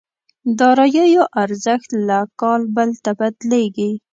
داراییو ارزښت له کال بل ته بدلېږي.